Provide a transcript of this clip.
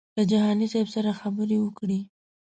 له جهاني صاحب سره خبرې وکړې.